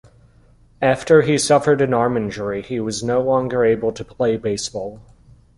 After he suffered an arm injury, he was no longer able to play baseball.